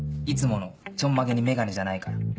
いつものちょんまげにメガネじゃないから。